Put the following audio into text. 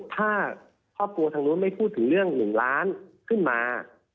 ถ้าครอบครัวทางนู้นไม่พูดถึงเรื่อง๑ล้านขึ้นมา